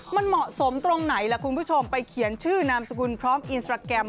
มันเหมาะสมตรงไหนล่ะคุณผู้ชมไปเขียนชื่อนามสกุลพร้อมอินสตราแกรม